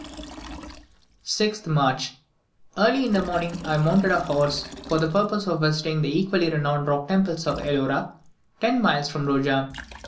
6th March. Early in the morning, I mounted a horse for the purpose of visiting the equally renowned rock temples of Elora (ten miles from Roja).